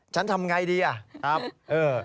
ฉันทำอย่างไรดี